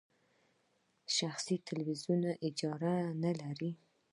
شخصي تلویزیونونه اجازه نلري.